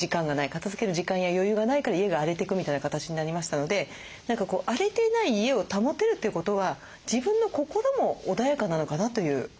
片づける時間や余裕がないから家が荒れていくみたいな形になりましたので何か荒れてない家を保てるということは自分の心も穏やかなのかなという。